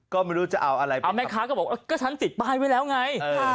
ก็ไม่รู้จะเอาอะไรมาแม่ค้าก็บอกก็ฉันติดป้ายไว้แล้วไง